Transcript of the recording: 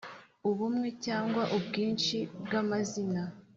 Ubumwe cyangwa ubwinshi by’amazina